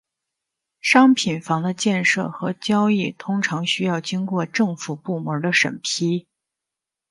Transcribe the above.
商品房的建设和交易通常需要经过政府部门的审批。